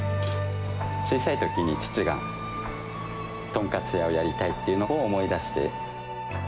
小さいときに、父が、豚カツ屋をやりたいっていうのを思い出して。